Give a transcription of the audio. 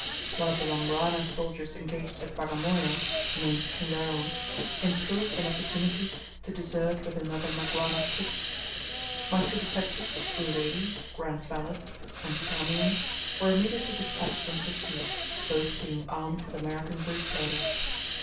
One of the Wangwana soldiers engaged at Bagamoyo, named Kingaru, improved an opportunity to desert with another Mgwana's kit. My two detectives, Uledi (Grant's valet), and Sarmean, were immediately despatched in pursuit, both being armed with American breech loaders.